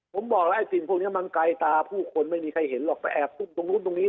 ผมบอกแล้วไอ้สิ่งพวกนี้มันไกลตาผู้คนไม่มีใครเห็นหรอกไปแอบตุ้มตรงนู้นตรงนี้